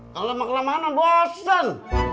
kalau mau kemana bosen